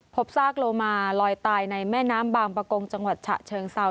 ซากโลมาลอยตายในแม่น้ำบางประกงจังหวัดฉะเชิงเซา